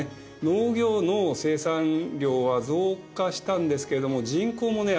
農業の生産量は増加したんですけれども人口もね